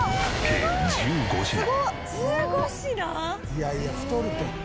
「いやいや太るって」